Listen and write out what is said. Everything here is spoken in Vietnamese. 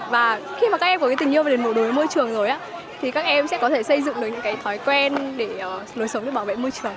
và khi mà các em có cái tình yêu đối với môi trường rồi á thì các em sẽ có thể xây dựng được những cái thói quen để nối sống để bảo vệ môi trường